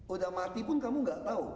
udah mati pun kamu gak tahu